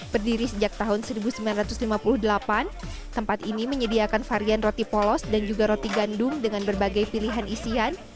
berdiri sejak tahun seribu sembilan ratus lima puluh delapan tempat ini menyediakan varian roti polos dan juga roti gandum dengan berbagai pilihan isian